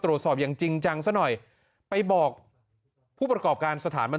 ตรวจสอบอย่างจริงจังซะหน่อยไปบอกผู้ประกอบการสถานบัน